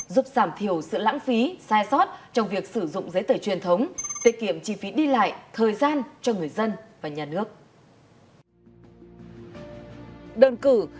giúp giảm thiểu sự lãng phí sai sót trong việc sử dụng giấy tở truyền thống tiết kiệm chi phí đi lại thời gian truyền thống